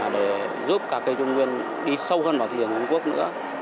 để giúp cà phê trung nguyên đi sâu hơn vào thị trường trung quốc nữa